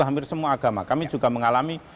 hampir semua agama kami juga mengalami